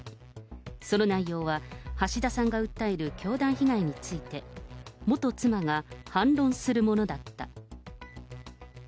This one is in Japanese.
その内容は、橋田さんが訴える教団被害について、元妻が反論するものだった。